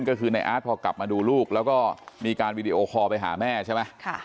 ก็คือในอาร์ตพอกลับมาดูลูกแล้วก็มีการวีดีโอคอลไปหาแม่ใช่ไหม